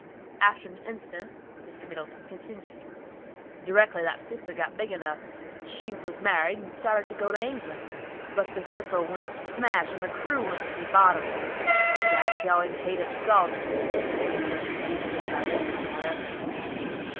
After an instant, Mr. Middleton continued, "Directly that sister got big enough, she was married and started to go to England, but the vessel went to smash and the crew went to the bottom. Poor gal, she always hated salt, but she's used to it by this time, I reckon.